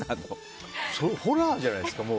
ホラーじゃないですか。